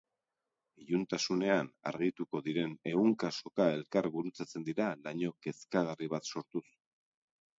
Iluntasunean argituko diren ehunka soka elkar gurutzatzen dira laino kezkagarri bat sortuz.